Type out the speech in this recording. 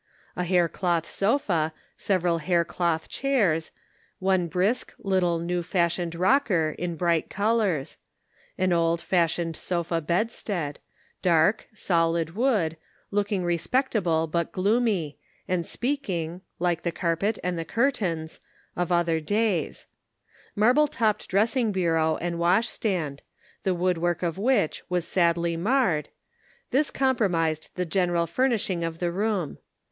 A hair cloth sofa, sev eral hair cloth chairs, one brisk, little new fashioned rocker in bright colors ; an old fashioned sofa bedstead, dark, solid wood, looking respectable but gloomy, and speak ing, like the carpet and the curtains, of other da}'s ; marble topped dressing bureau and wash stand, the woodwork of which was sadly marred — this comprised the general furnishing of the room.